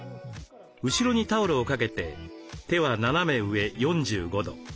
後ろにタオルをかけて手は斜め上４５度。